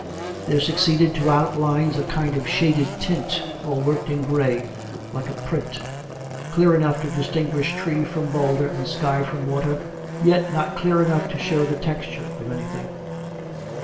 There succeeded to outlines a kind of shaded tint^ all worked in gray like a print, clear enough to distinguish tree from boulder and sky from water, yet not clear enough to show the texture of anything.